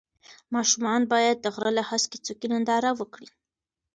ماشومان باید د غره له هسکې څوکې ننداره وکړي.